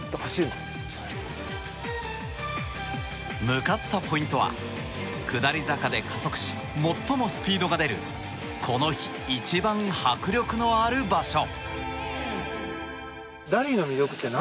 向かったポイントは下り坂で加速し最もスピードが出るこの日一番迫力のある場所。